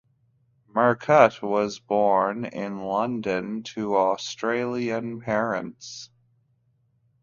Murcutt was born in London to Australian parents.